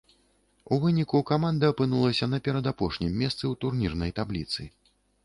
У выніку, каманда апынулася на перадапошнім месцы ў турнірнай табліцы.